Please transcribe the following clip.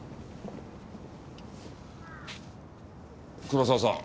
黒沢さん